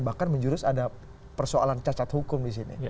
bahkan menjurus ada persoalan cacat hukum di sini